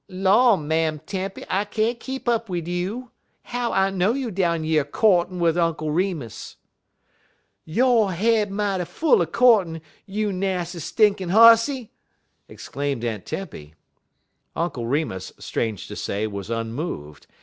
"Law, Mam' Tempy, I can't keep up wid you. How I know you down yer courtin' wid Unk Remus?" "Yo' head mighty full er courtin', you nas' stinkin' huzzy!" exclaimed Aunt Tempy. Uncle Remus, strange to say, was unmoved.